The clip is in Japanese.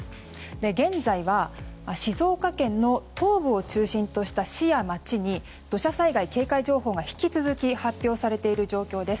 現在は静岡県の東部を中心とした市や町に土砂災害警戒情報が引き続き発表されている状況です。